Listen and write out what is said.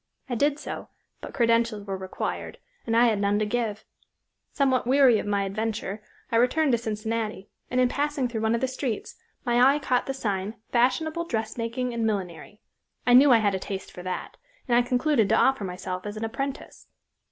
I did so, but credentials were required, and I had none to give. Somewhat weary of my adventure I returned to Cincinnati, and in passing through one of the streets, my eye caught the sign 'Fashionable Dressmaking and Millinery.' I knew I had a taste for that, and I concluded to offer myself as an apprentice."